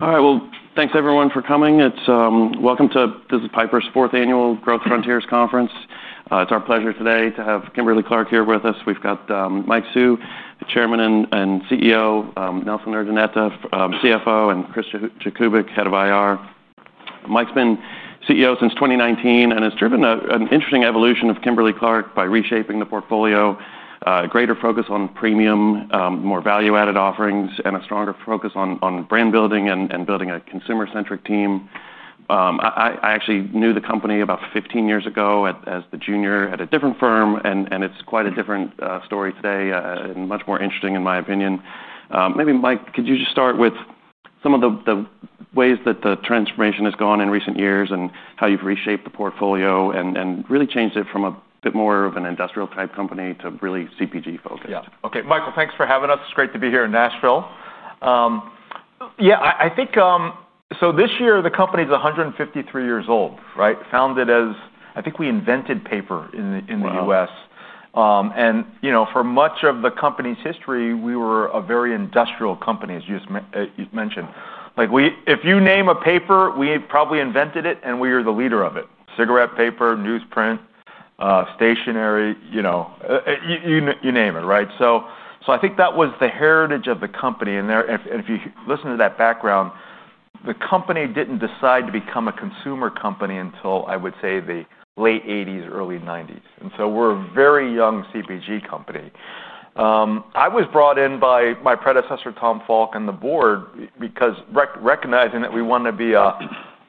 All right, thanks everyone for coming. It's welcome to Piper Sandler's fourth annual Growth Frontiers Conference. It's our pleasure today to have Kimberly-Clark here with us. We've got Mike Hsu, the Chairman and CEO, Nelson Urdaneta, CFO, and Chris Jakubik, Head of Investor Relations. Mike's been CEO since 2019 and has driven an interesting evolution of Kimberly-Clark by reshaping the portfolio, a greater focus on premium, more value-added offerings, and a stronger focus on brand building and building a consumer-centric team. I actually knew the company about 15 years ago as the junior at a different firm, and it's quite a different story today and much more interesting, in my opinion. Maybe, Mike, could you just start with some of the ways that the transformation has gone in recent years and how you've reshaped the portfolio and really changed it from a bit more of an industrial-type company to really CPG-focused? Yeah, OK, Michael, thanks for having us. It's great to be here in Nashville. I think so this year the company is 153 years old, right? Founded as I think we invented paper in the U.S. For much of the company's history, we were a very industrial company, as you just mentioned. If you name a paper, we probably invented it, and we were the leader of it. Cigarette paper, newsprint, stationery, you name it, right? I think that was the heritage of the company. If you listen to that background, the company didn't decide to become a consumer company until, I would say, the late 1980s, early 1990s. We're a very young CPG company. I was brought in by my predecessor, Tom Falk, and the board because recognizing that we wanted to be a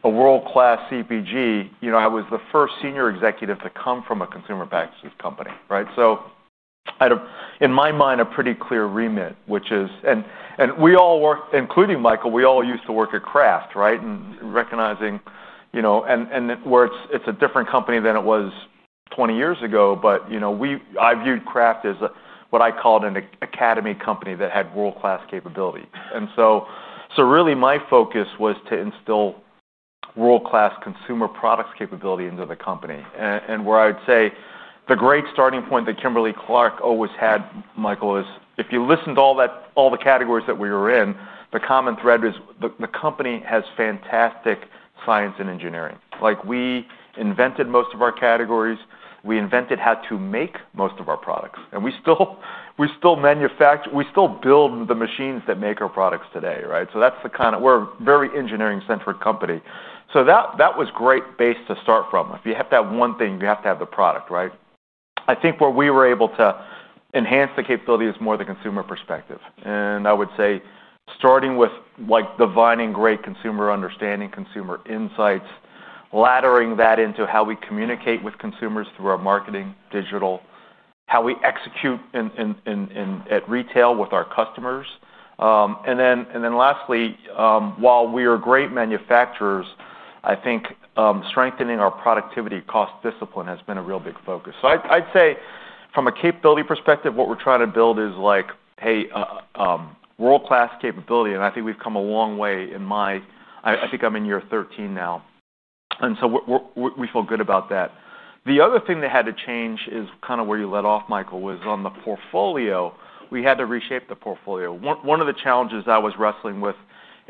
world-class CPG, I was the first senior executive to come from a consumer practices company, right? I had, in my mind, a pretty clear remit, which is, and we all work, including Michael, we all used to work at Kraft, right? Recognizing, you know, and where it's a different company than it was 20 years ago. I viewed Kraft as what I called an academy company that had world-class capability. Really, my focus was to instill world-class consumer products capability into the company. Where I'd say the great starting point that Kimberly-Clark always had, Michael, is if you listen to all the categories that we were in, the common thread is the company has fantastic science and engineering. We invented most of our categories. We invented how to make most of our products. We still manufacture, we still build the machines that make our products today, right? We're a very engineering-centric company. That was a great base to start from. If you have to have one thing, you have to have the product, right? I think where we were able to enhance the capability is more the consumer perspective. I would say starting with like divining great consumer understanding, consumer insights, laddering that into how we communicate with consumers through our marketing, digital, how we execute in retail with our customers. Lastly, while we are great manufacturers, I think strengthening our productivity cost discipline has been a real big focus. I'd say from a capability perspective, what we're trying to build is like, hey, world-class capability. I think we've come a long way in my, I think I'm in year 13 now. We feel good about that. The other thing that had to change is kind of where you led off, Michael, was on the portfolio. We had to reshape the portfolio. One of the challenges I was wrestling with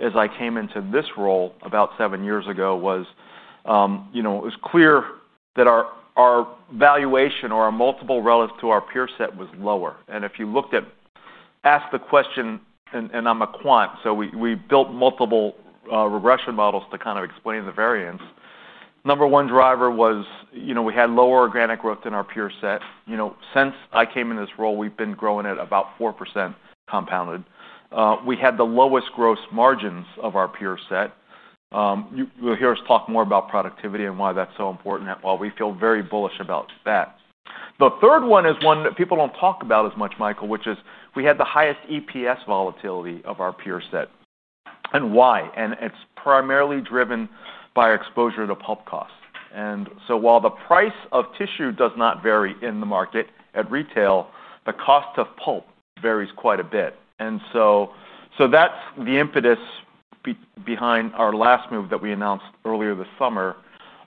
as I came into this role about seven years ago was, you know, it was clear that our valuation or our multiple relative to our peer set was lower. If you looked at, asked the question, and I'm a quant, so we built multiple regression models to kind of explain the variance. Number one driver was, you know, we had lower organic growth than our peer set. Since I came in this role, we've been growing at about 4% compounded. We had the lowest gross margins of our peer set. You'll hear us talk more about productivity and why that's so important. We feel very bullish about that. The third one is one that people don't talk about as much, Michael, which is we had the highest EPS volatility of our peer set. Why? It's primarily driven by exposure to pulp costs. While the price of tissue does not vary in the market at retail, the cost of pulp varies quite a bit. That's the impetus behind our last move that we announced earlier this summer,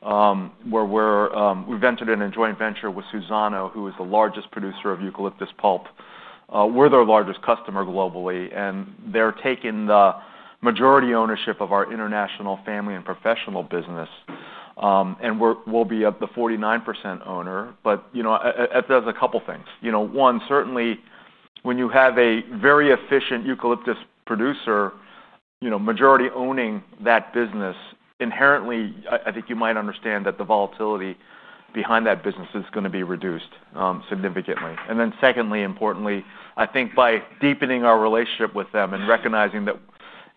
where we've entered in a joint venture with Suzano, who is the largest producer of eucalyptus pulp. We're their largest customer globally, and they're taking the majority ownership of our international family and professional business. We'll be the 49% owner. That says a couple of things. One, certainly, when you have a very efficient eucalyptus producer majority owning that business, inherently, I think you might understand that the volatility behind that business is going to be reduced significantly. Secondly, importantly, I think by deepening our relationship with them and recognizing that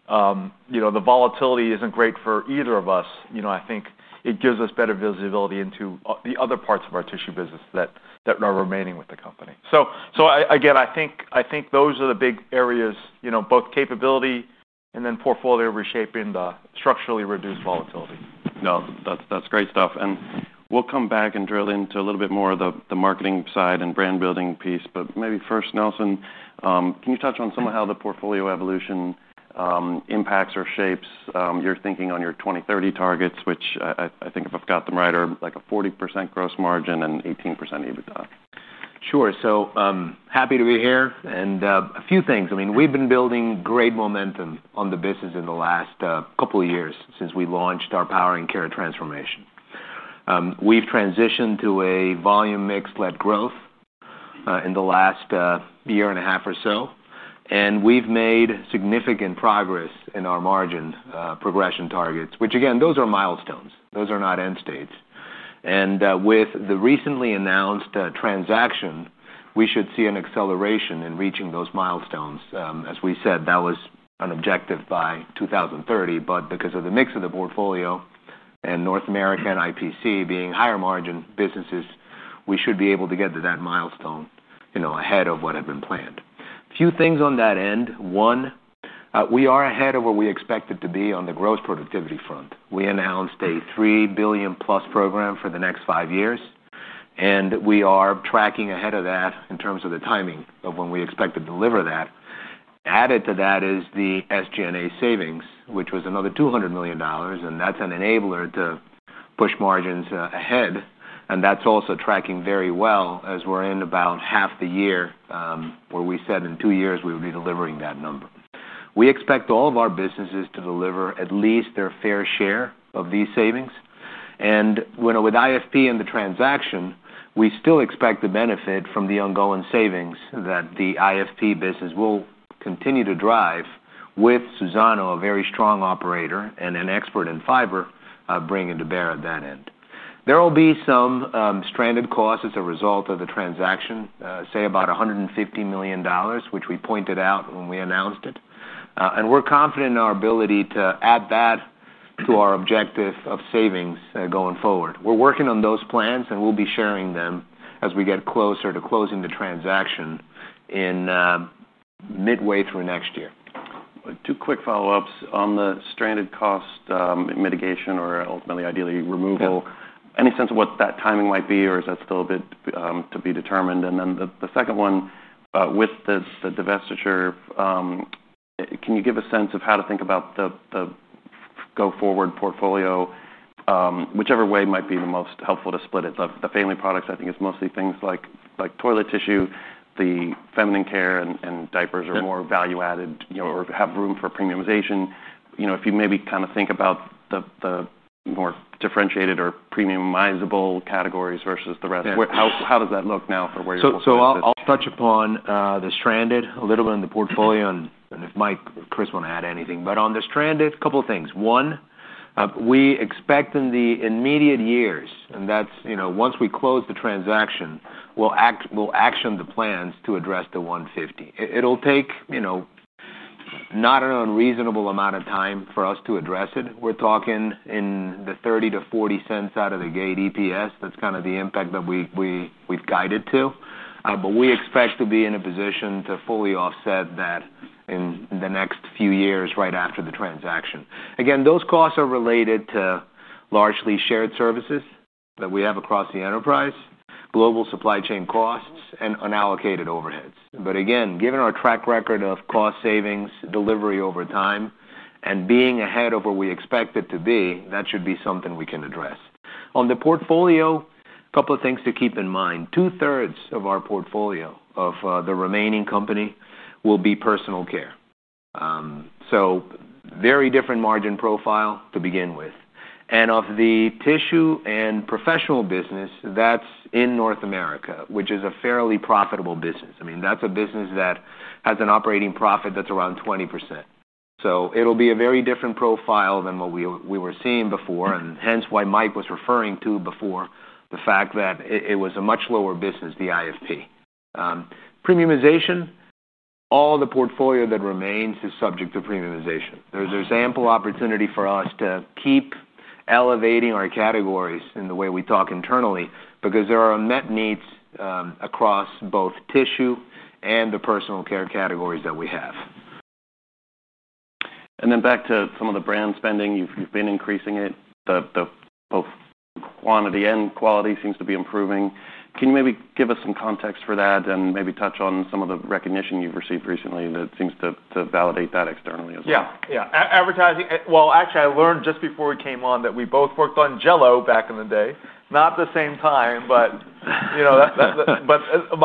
the volatility isn't great for either of us, I think it gives us better visibility into the other parts of our tissue business that are remaining with the company. I think those are the big areas, both capability and then portfolio reshaping to structurally reduce volatility. No, that's great stuff. We'll come back and drill into a little bit more of the marketing side and brand building piece. Maybe first, Nelson, can you touch on some of how the portfolio evolution impacts or shapes your thinking on your 2030 targets, which I think, if I've got them right, are like a 40% gross margin and 18% EBITDA? Sure. Happy to be here. A few things. We've been building great momentum on the business in the last couple of years since we launched our Power and Care transformation. We've transitioned to a volume mix-led growth in the last year and a half or so. We've made significant progress in our margin progression targets, which again, those are milestones, not end states. With the recently announced transaction, we should see an acceleration in reaching those milestones. As we said, that was an objective by 2030. Because of the mix of the portfolio and North America and IFP being higher margin businesses, we should be able to get to that milestone ahead of what had been planned. A few things on that end. One, we are ahead of where we expected to be on the gross productivity front. We announced a $3 billion plus program for the next five years, and we are tracking ahead of that in terms of the timing of when we expect to deliver that. Added to that is the SG&A savings, which was another $200 million, and that's an enabler to push margins ahead. That's also tracking very well as we're in about half the year where we said in two years we would be delivering that number. We expect all of our businesses to deliver at least their fair share of these savings. With IFP in the transaction, we still expect the benefit from the ongoing savings that the IFP business will continue to drive with Suzano, a very strong operator and an expert in fiber, bringing to bear at that end. There will be some stranded costs as a result of the transaction, say about $150 million, which we pointed out when we announced it. We're confident in our ability to add that to our objective of savings going forward. We're working on those plans, and we'll be sharing them as we get closer to closing the transaction in midway through next year. Two quick follow-ups on the stranded cost mitigation or ultimately, ideally, removal. Any sense of what that timing might be? Is that still a bit to be determined? The second one, with the divestiture, can you give a sense of how to think about the go-forward portfolio, whichever way might be the most helpful to split it? The family products, I think, it's mostly things like toilet tissue. The feminine care and diapers are more value-added or have room for premiumization. If you maybe kind of think about the more differentiated or premiumizable categories versus the rest, how does that look now for where you're looking at? I'll touch upon the stranded a little bit in the portfolio. If Mike or Chris want to add anything. On the stranded, a couple of things. One, we expect in the immediate years, and that's, you know, once we close the transaction, we'll action the plans to address the $150. It'll take, you know, not an unreasonable amount of time for us to address it. We're talking in the $0.30 to $0.40 out of the gate EPS. That's kind of the impact that we've guided to. We expect to be in a position to fully offset that in the next few years right after the transaction. Those costs are related to largely shared services that we have across the enterprise, global supply chain costs, and unallocated overheads. Given our track record of cost savings, delivery over time, and being ahead of where we expect it to be, that should be something we can address. On the portfolio, a couple of things to keep in mind. 2/3 of our portfolio of the remaining company will be personal care, so very different margin profile to begin with. Of the tissue and professional business, that's in North America, which is a fairly profitable business. I mean, that's a business that has an operating profit that's around 20%. It'll be a very different profile than what we were seeing before, which is why Mike was referring to before the fact that it was a much lower business, the international family and professional (IFP) business. Premiumization, all the portfolio that remains is subject to premiumization. There's ample opportunity for us to keep elevating our categories in the way we talk internally because there are met needs across both tissue and the personal care categories that we have. You have been increasing some of the brand spending. Both quantity and quality seem to be improving. Can you maybe give us some context for that and maybe touch on some of the recognition you've received recently that seems to validate that externally as well? Yeah, advertising. Actually, I learned just before we came on that we both worked on Jell-O back in the day. Not at the same time, but you know,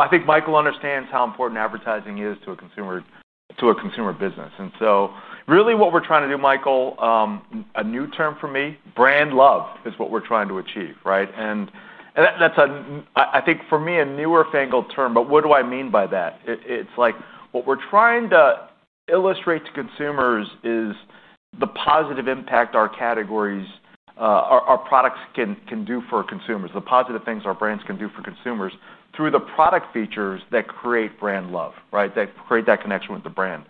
I think Mike Hsu understands how important advertising is to a consumer business. What we're trying to do, Mike, a new term for me, brand love, is what we're trying to achieve, right? I think for me, that's a newer-fangled term. What do I mean by that? It's like what we're trying to illustrate to consumers is the positive impact our categories, our products can do for consumers, the positive things our brands can do for consumers through the product features that create brand love, that create that connection with the brand.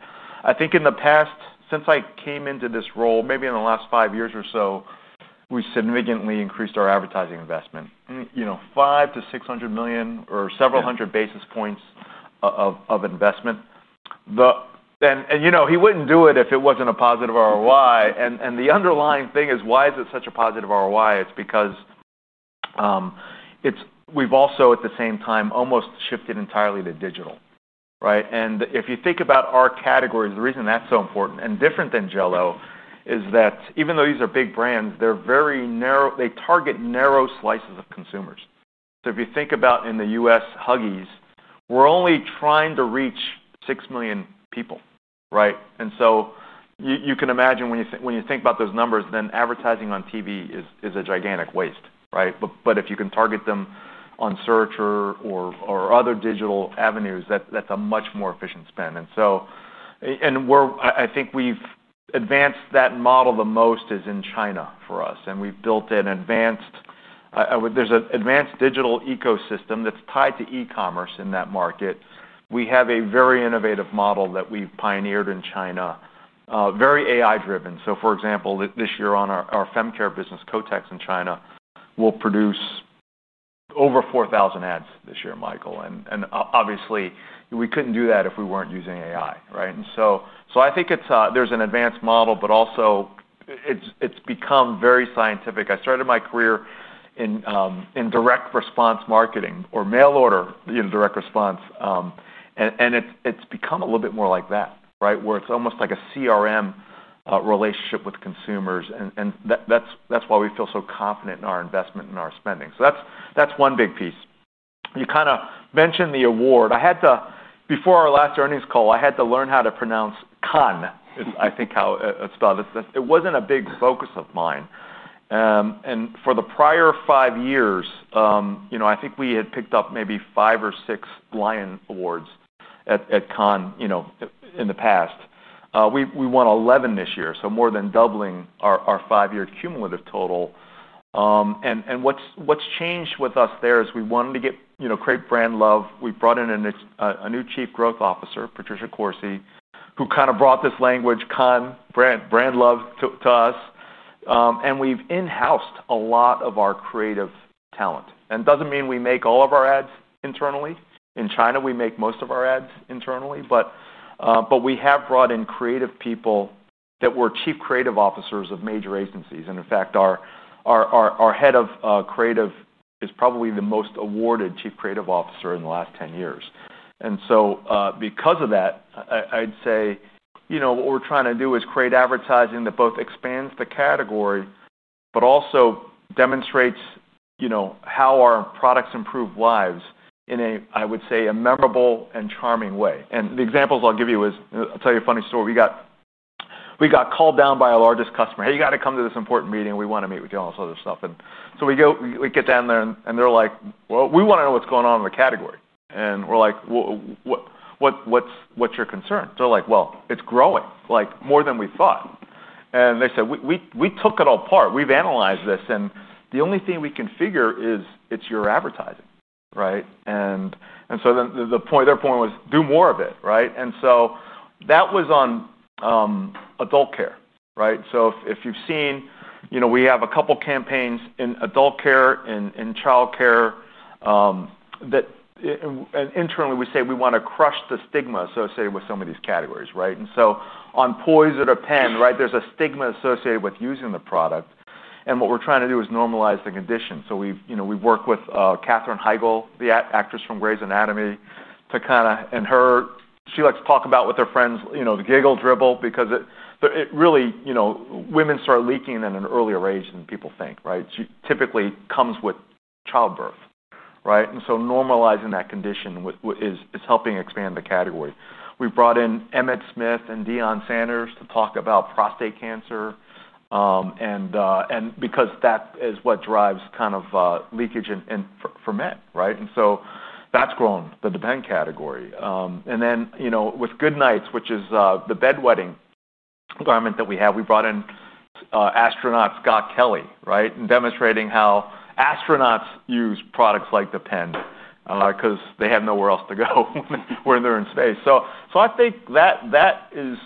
I think in the past, since I came into this role, maybe in the last five years or so, we've significantly increased our advertising investment, $500 million to $600 million or several hundred basis points of investment. He wouldn't do it if it wasn't a positive ROI. The underlying thing is, why is it such a positive ROI? It's because we've also, at the same time, almost shifted entirely to digital, right? If you think about our categories, the reason that's so important and different than Jell-O is that even though these are big brands, they're very narrow. They target narrow slices of consumers. If you think about in the U.S., Huggies, we're only trying to reach 6 million people, right? You can imagine when you think about those numbers, then advertising on TV is a gigantic waste, right? If you can target them on search or other digital avenues, that's a much more efficient spend. I think we've advanced that model the most in China for us. We've built an advanced, there's an advanced digital ecosystem that's tied to e-commerce in that market. We have a very innovative model that we've pioneered in China, very AI-driven. For example, this year on our fem care business, Kotex in China will produce over 4,000 ads this year, Mike. Obviously, we couldn't do that if we weren't using AI, right? I think there's an advanced model, but also it's become very scientific. I started my career in direct response marketing or mail order, direct response. It's become a little bit more like that, where it's almost like a CRM relationship with consumers. That's why we feel so confident in our investment and our spending. That's one big piece. You kind of mentioned the award. Before our last earnings call, I had to learn how to pronounce Cannes, I think how it's spelled. It wasn't a big focus of mine. For the prior five years, I think we had picked up maybe five or six Lion Awards at Cannes in the past. We won 11 this year, so more than doubling our five-year cumulative total. What's changed with us there is we wanted to get great brand love. We brought in a new Chief Growth Officer, Patricia Corsi, who kind of brought this language, Cannes, brand love to us. We've in-housed a lot of our creative talent. It doesn't mean we make all of our ads internally. In China, we make most of our ads internally. We have brought in creative people that were Chief Creative Officers of major agencies. In fact, our Head of Creative is probably the most awarded Chief Creative Officer in the last 10 years. Because of that, I'd say what we're trying to do is create advertising that both expands the category, but also demonstrates how our products improve lives in a, I would say, a memorable and charming way. The examples I'll give you is, I'll tell you a funny story. We got called down by our largest customer. Hey, you got to come to this important meeting. We want to meet with you on this other stuff. We go, we get down there, and they're like, we want to know what's going on in the category. We're like, what's your concern? They're like, it's growing, like more than we thought. They said, we took it all apart. We've analyzed this. The only thing we can figure is it's your advertising, right? Their point was, do more of it, right? That was on adult care, right? If you've seen, we have a couple of campaigns in adult care, in child care, that internally we say we want to crush the stigma associated with some of these categories, right? On Poise or Depend, there's a stigma associated with using the product. What we're trying to do is normalize the condition. We've worked with Katherine Heigl, the actress from Grey's Anatomy, to kind of, and her, she likes to talk about with her friends, the giggle dribble because it really, women start leaking at an earlier age than people think, right? It typically comes with childbirth, right? Normalizing that condition is helping expand the category. We brought in Emmitt Smith and Deion Sanders to talk about prostate cancer, because that is what drives kind of leakage for men, right? That has grown the Depend category. With Goodnites, which is the bedwetting garment that we have, we brought in astronaut Scott Kelly, demonstrating how astronauts use products like Depend because they have nowhere else to go when they're in space. I think that is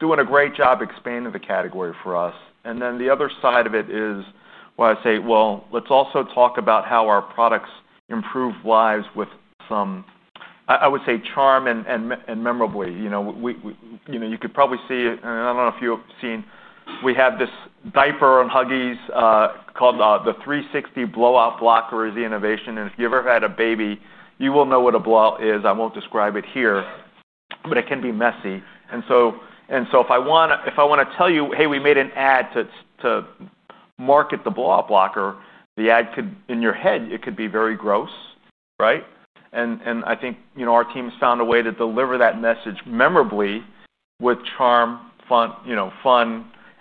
doing a great job expanding the category for us. The other side of it is, let's also talk about how our products improve lives with some, I would say, charm and memorability. You could probably see, and I don't know if you've seen, we have this diaper on Huggies called the 360 Blow-Out Blocker as the innovation. If you've ever had a baby, you will know what a blow-out is. I won't describe it here, but it can be messy. If I want to tell you, hey, we made an ad to market the Blow-Out Blocker, the ad could, in your head, be very gross, right? I think our team's found a way to deliver that message memorably with charm, fun,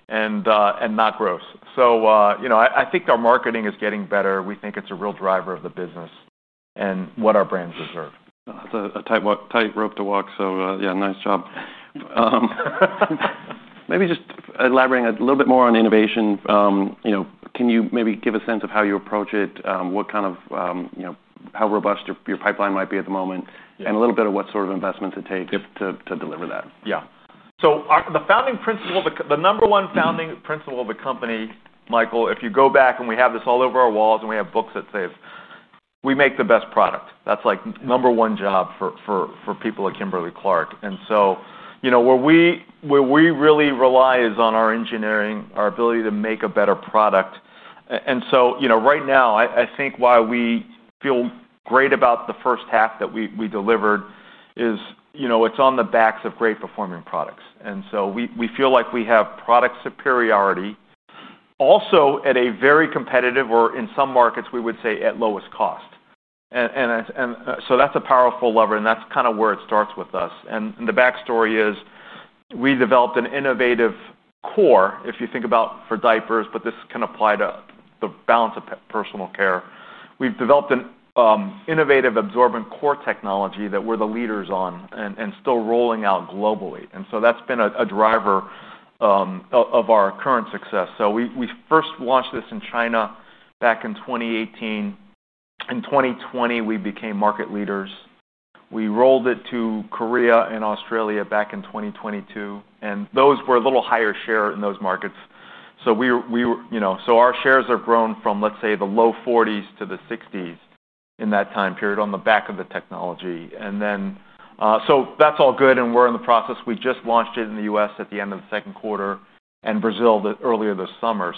and not gross. I think our marketing is getting better. We think it's a real driver of the business and what our brands deserve. That's a tight rope to walk. Yeah, nice job. Maybe just elaborating a little bit more on innovation, can you maybe give a sense of how you approach it, what kind of, you know, how robust your pipeline might be at the moment, and a little bit of what sort of investments it takes to deliver that? Yeah. The founding principle, the number one founding principle of a company, Michael, if you go back and we have this all over our walls and we have books that say, we make the best product. That's like number one job for people at Kimberly-Clark. Where we really rely is on our engineering, our ability to make a better product. Right now, I think why we feel great about the first half that we delivered is it's on the backs of great performing products. We feel like we have product superiority, also at a very competitive or, in some markets, we would say at lowest cost. That's a powerful lever. That's kind of where it starts with us. The backstory is we developed an innovative core, if you think about for diapers, but this can apply to the balance of personal care. We've developed an innovative absorbent core technology that we're the leaders on and still rolling out globally. That's been a driver of our current success. We first launched this in China back in 2018. In 2020, we became market leaders. We rolled it to Korea and Australia back in 2022. Those were a little higher share in those markets. Our shares have grown from, let's say, the low 40s to the 60s in that time period on the back of the technology. That's all good. We are in the process. We just launched it in the U.S. at the end of the second quarter and Brazil earlier this summer.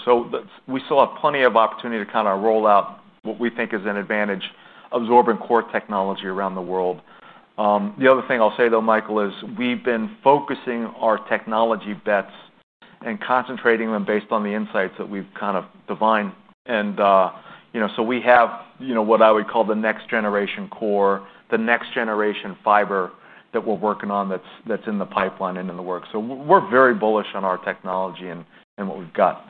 We still have plenty of opportunity to kind of roll out what we think is an advantage absorbent core technology around the world. The other thing I'll say, though, Michael, is we've been focusing our technology bets and concentrating them based on the insights that we've kind of divined. We have what I would call the next generation core, the next generation fiber that we're working on that's in the pipeline and in the works. We're very bullish on our technology and what we've got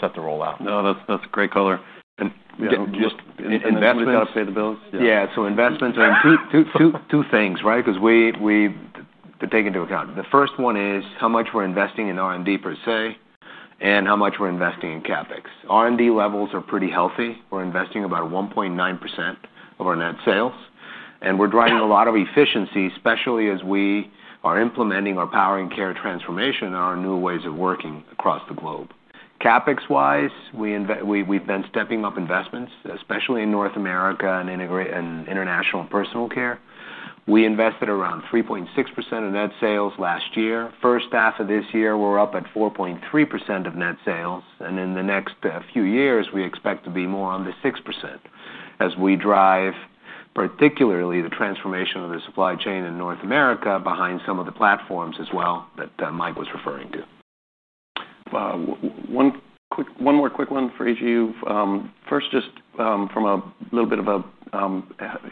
set to roll out. No, that's a great color and just investment. That's going to pay the bills. Investments, I mean, two things, right? We take into account the first one, which is how much we're investing in R&D per se and how much we're investing in CapEx. R&D levels are pretty healthy. We're investing about 1.9% of our net sales, and we're driving a lot of efficiency, especially as we are implementing our power and care transformation and our new ways of working across the globe. CapEx-wise, we've been stepping up investments, especially in North America and international and personal care. We invested around 3.6% of net sales last year. The first half of this year, we're up at 4.3% of net sales. In the next few years, we expect to be more on the 6% as we drive particularly the transformation of the supply chain in North America behind some of the platforms as well that Mike was referring to. One more quick one for each of you. First, just from a little bit of a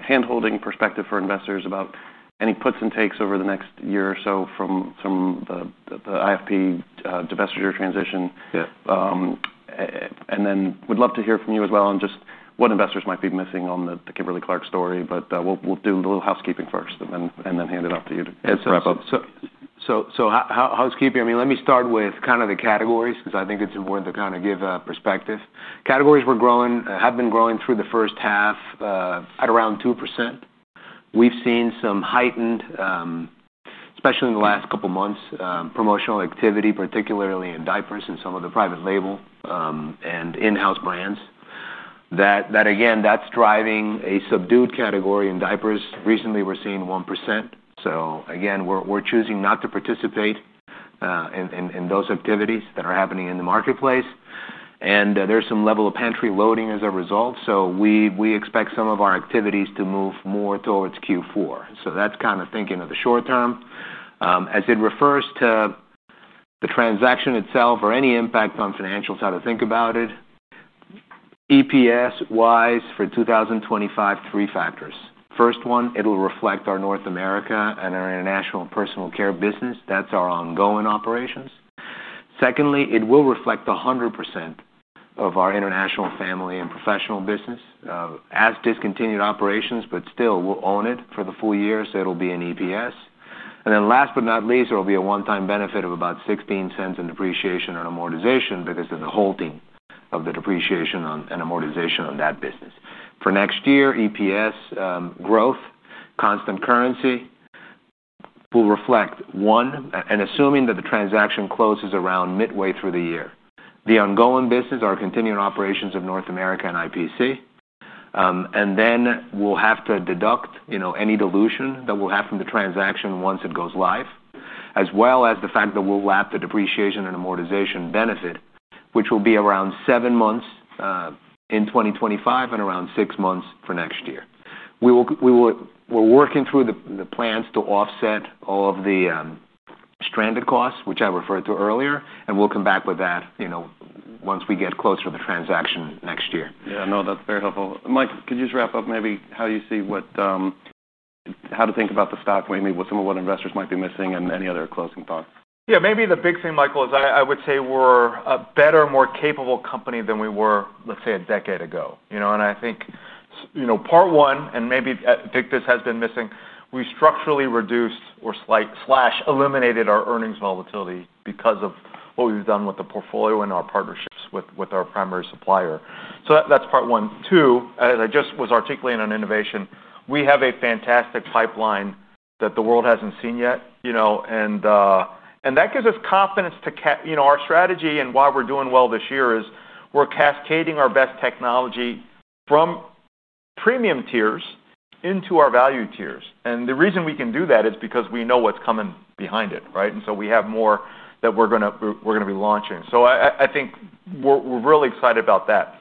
hand-holding perspective for investors about any puts and takes over the next year or so from the IFP divestiture transition. We'd love to hear from you as well on just what investors might be missing on the Kimberly-Clark story. We'll do a little housekeeping first and then hand it off to you to wrap up. Housekeeping, let me start with the categories because I think it's important to give a perspective. Categories have been growing through the first half at around 2%. We've seen some heightened, especially in the last couple of months, promotional activity, particularly in diapers and some of the private label and in-house brands. That is driving a subdued category in diapers. Recently, we're seeing 1%. We're choosing not to participate in those activities that are happening in the marketplace. There's some level of pantry loading as a result. We expect some of our activities to move more towards Q4. That's thinking of the short term. As it refers to the transaction itself or any impact on financials, how to think about it EPS-wise for 2025, three factors. First, it'll reflect our North America and our international and personal care business. That's our ongoing operations. Secondly, it will reflect 100% of our international family and professional business as discontinued operations, but we'll still own it for the full year. So it'll be in EPS. Last but not least, there will be a one-time benefit of about $0.16 in depreciation and amortization because of the halting of the depreciation and amortization on that business. For next year, EPS growth, constant currency will reflect one, and assuming that the transaction closes around midway through the year, the ongoing business, our continuing operations of North America and IFP. We'll have to deduct any dilution that we'll have from the transaction once it goes live, as well as the fact that we'll lap the depreciation and amortization benefit, which will be around seven months in 2025 and around six months for next year. We're working through the plans to offset all of the stranded costs, which I referred to earlier. We'll come back with that once we get closer to the transaction next year. Yeah, no, that's very helpful. Mike, could you just wrap up maybe how you see what, how to think about the stock, maybe what some of what investors might be missing, and any other closing thoughts? Yeah, maybe the big thing, Michael, is I would say we're a better, more capable company than we were, let's say, a decade ago. I think part one, and maybe this has been missing, we structurally reduced or eliminated our earnings volatility because of what we've done with the portfolio and our partnerships with our primary supplier. That's part one. Two, as I just was articulating on innovation, we have a fantastic pipeline that the world hasn't seen yet. That gives us confidence to our strategy and why we're doing well this year is we're cascading our best technology from premium tiers into our value tiers. The reason we can do that is because we know what's coming behind it, right? We have more that we're going to be launching. I think we're really excited about that.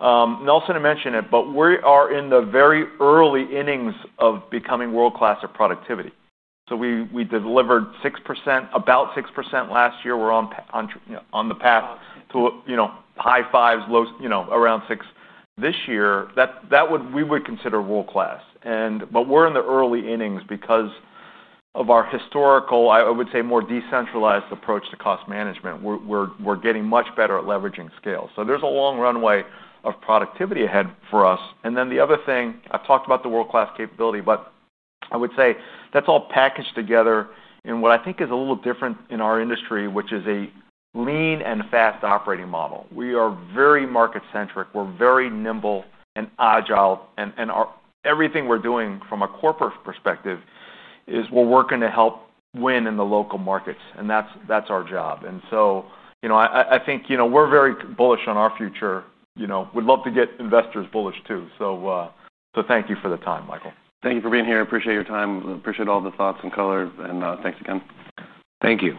Nelson had mentioned it, but we are in the very early innings of becoming world-class at productivity. We delivered 6%, about 6% last year. We're on the path to high fives, low, around 6%. This year, that we would consider world-class. We're in the early innings because of our historical, I would say, more decentralized approach to cost management. We're getting much better at leveraging scale. There's a long runway of productivity ahead for us. The other thing, I've talked about the world-class capability, but I would say that's all packaged together in what I think is a little different in our industry, which is a lean and fast operating model. We are very market-centric. We're very nimble and agile. Everything we're doing from a corporate perspective is we're working to help win in the local markets. That's our job. I think we're very bullish on our future. We'd love to get investors bullish too. Thank you for the time, Michael. Thank you for being here. I appreciate your time. I appreciate all the thoughts and colors. Thanks again. Thank you.